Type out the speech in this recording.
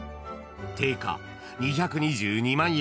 ［定価２２２万円］